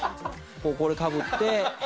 これをかぶって。